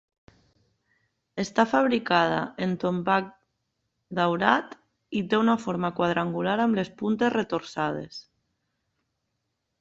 Està fabricada en tombac daurat i té una forma quadrangular amb les puntes retorçades.